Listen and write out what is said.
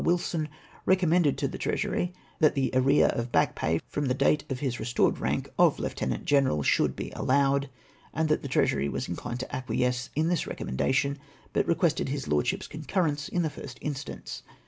Wilson, recommended to the Treasury that the arrear of bach pay from the date of his restored rank of Lieut Genercd shoidd be alloiued*, and that the Treasury was inclined to acquiesce in this recommenda tion, but requested his Lordship's concurrence in the first instance.